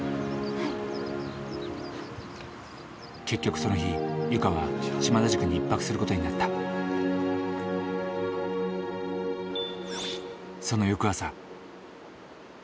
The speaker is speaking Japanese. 結局その日ゆかは島田宿に一泊する事になったその翌朝。